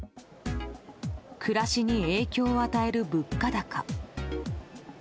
暮らしに影響を与える物価高。